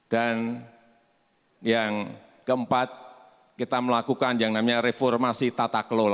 dan yang keempat kita melakukan yang namanya reformasi dalam bidang pelayanan